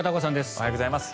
おはようございます。